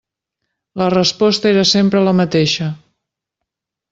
La resposta era sempre la mateixa.